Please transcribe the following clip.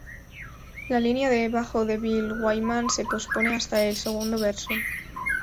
La línea de bajo de Bill Wyman se pospone hasta el segundo verso.